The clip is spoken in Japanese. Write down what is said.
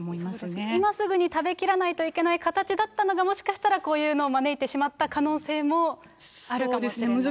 そうですね、今すぐに食べきらない形だったのが、もしかしたら、こういうのを招いてしまった可能性もあるかもしれませんね。